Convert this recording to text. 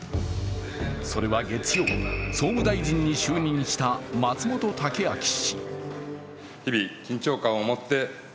それは月曜、総務大臣に就任した松本剛明氏。